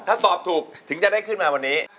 ถ้าตอบถูกถึงจะได้ขึ้นมาวันนี้